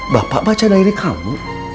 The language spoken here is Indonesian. bapak baca dairi kamu